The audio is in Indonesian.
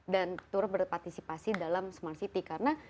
dan terus berpartisipasi dalam smart city karena